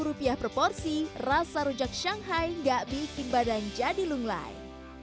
rp lima per porsi rasa rujak shanghai gak bikin badan jadi lunglai